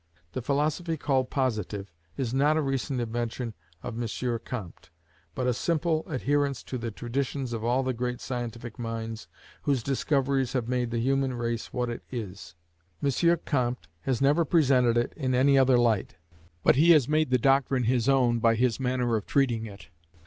The philosophy called Positive is not a recent invention of M. Comte, but a simple adherence to the traditions of all the great scientific minds whose discoveries have made the human race what it is. M. Comte has never presented it in any other light. But he has made the doctrine his own by his manner of treating it.